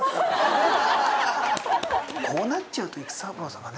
こうなっちゃうと育三郎さんが。